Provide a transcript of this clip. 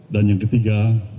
dan yang ketiga